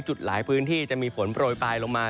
จุดหลายพื้นที่จะมีฝนโปรยปลายลงมา